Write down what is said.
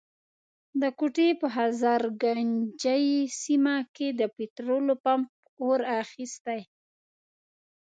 د کوټي په هزارګنجۍ سيمه کي د پټرولو پمپ اور اخستی.